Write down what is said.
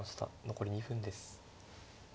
残り２分です。